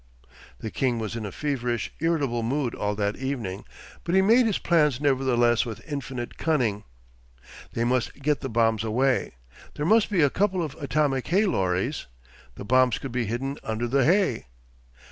The king was in a feverish, irritable mood all that evening, but he made his plans nevertheless with infinite cunning. They must get the bombs away; there must be a couple of atomic hay lorries, the bombs could be hidden under the hay....